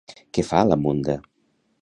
Què fa la Munda?